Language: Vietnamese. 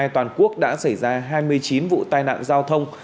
toàn quốc đã xảy ra hai mươi chín vụ tai nạn giao thông